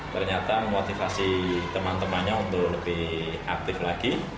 ternyata memotivasi teman temannya untuk lebih aktif lagi